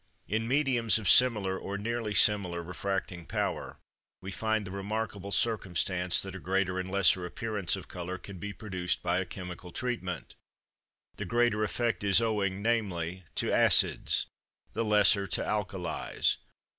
In mediums of similar or nearly similar refracting power, we find the remarkable circumstance that a greater and lesser appearance of colour can be produced by a chemical treatment; the greater effect is owing, namely, to acids, the lesser to alkalis.